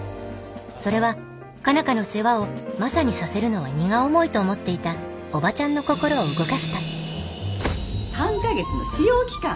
それは佳奈花の世話をマサにさせるのは荷が重いと思っていたオバチャンの心を動かした３か月の試用期間。